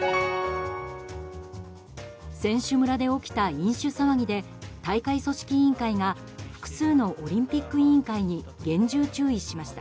選手村で起きた飲酒騒ぎで大会組織委員会が複数のオリンピック委員会に厳重注意しました。